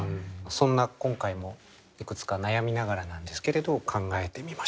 そんな今回もいくつか悩みながらなんですけれど考えてみました。